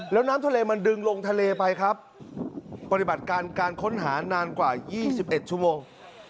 แล้วน้ำทะเลมันดึงลงทะเลไปครับปฏิบัติการการค้นหานานกว่า๒๑ชั่วโมง